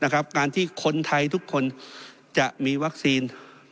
การที่คนไทยทุกคนจะมีวัคซีน